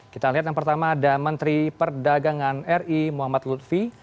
kita lihat yang pertama ada menteri perdagangan ri muhammad lutfi